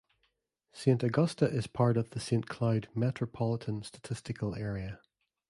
Saint Augusta is part of the Saint Cloud Metropolitan Statistical Area.